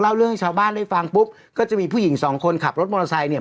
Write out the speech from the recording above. เรื่องให้ชาวบ้านได้ฟังปุ๊บก็จะมีผู้หญิงสองคนขับรถมอเตอร์ไซค์เนี่ย